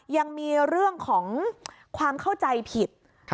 ยังมีเรื่องของความเข้าใจผิด